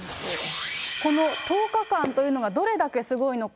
この１０日間というのがどれだけすごいのか。